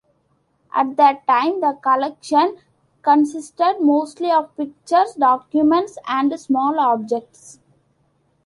At that time, the collection consisted mostly of pictures, documents, and small objects.